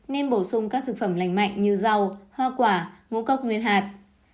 nên bổ sung các thực phẩm lành mạnh như rau hoa quả ngũ cốc nguyên hạt